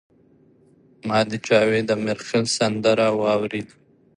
ما د جاوید امیرخیل سندره واوریده.